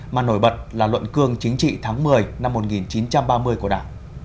mà nổi bật là luận cương chính trị tháng một mươi năm một nghìn chín trăm ba mươi của đảng